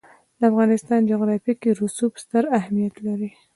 د افغانستان جغرافیه کې رسوب ستر اهمیت لري.